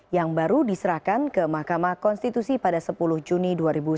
yang baru diserahkan ke mahkamah konstitusi pada sepuluh juni dua ribu sembilan belas